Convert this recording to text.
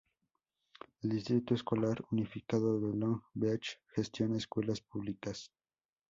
El Distrito Escolar Unificado de Long Beach gestiona escuelas públicas.